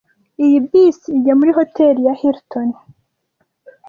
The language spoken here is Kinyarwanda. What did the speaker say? Iyi bisi ijya muri Hotel ya Hilton?